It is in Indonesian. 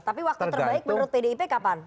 tapi waktu terbaik menurut pdip kapan